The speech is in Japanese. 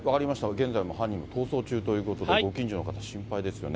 現在も犯人、逃走中ということで、ご近所の方、心配ですよね。